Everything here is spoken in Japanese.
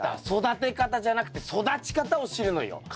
育て方じゃなくて育ち方を知るのよ。